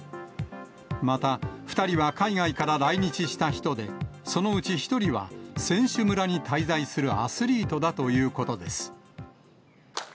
また、２人は海外から来日した人で、そのうち１人は選手村に滞在するアスリートだということです。